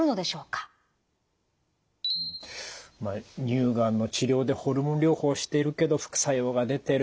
乳がんの治療でホルモン療法をしているけど副作用が出てる。